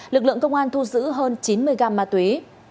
lực lượng công an thu giữ hơn chín mươi gam ma túy